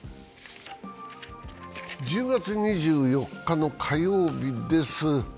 １０月２４日の火曜日です。